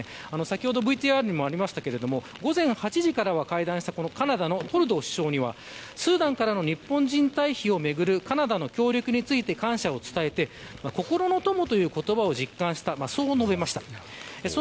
先ほどＶＴＲにもありましたが午前８時から会談したカナダのトルドー首相にはスーダンからの日本人退避をめぐるカナダとの協力について感謝を伝えて心の友、という言葉を実感したそう述べました。